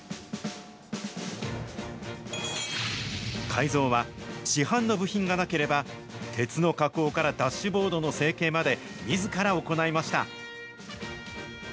改造は市販の部品がなければ、鉄の加工からダッシュボードの成形までみずから行いました。